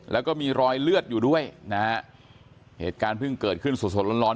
แล้วก็มีรอยเลือดอยู่ด้วยนะฮะเหตุการณ์เพิ่งเกิดขึ้นสดสดร้อนร้อน